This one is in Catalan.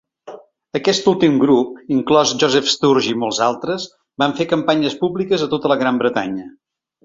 Aquest últim grup, inclòs Joseph Sturge i molts altres, van fer campanyes públiques a tota la Gran Bretanya.